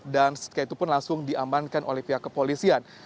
dan setelah itu pun langsung diamankan oleh pihak kepolisian